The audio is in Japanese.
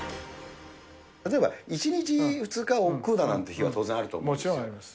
例えば、１日、２日おっくうだなんて日は当然あると思います。